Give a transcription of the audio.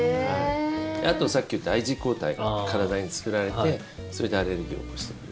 あとはさっき言ったＩｇＥ抗体が体に作られてそれでアレルギーを起こす。